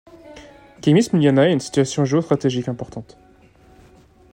Khemis-Miliana a une situation géostratégique importante.